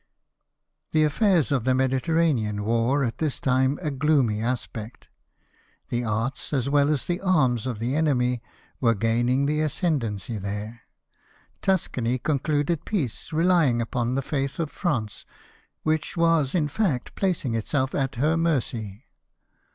The affairs of the Mediterranean wore at this time a gloomy aspect. The arts, as well as the arms of the enemy, were gaining the ascendency there. Tuscany con cluded peace, relying upon the faith of France, Avhich was, in fact, placing itself at her mercy.